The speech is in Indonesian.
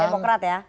ke demokrat ya